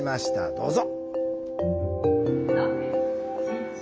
どうぞ。